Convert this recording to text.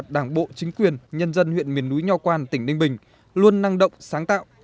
đảng bộ chính quyền nhân dân huyện miền núi nho quan tỉnh ninh bình luôn năng động sáng tạo